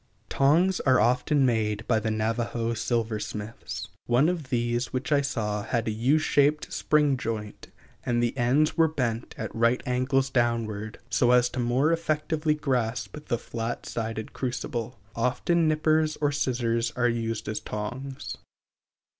Tongs are often made by the Navajo silversmiths. One of these which I saw had a U shaped spring joint, and the ends were bent at right angles downwards, so as more effectually to grasp the flat sided crucible. Often nippers or scissors are used as tongs.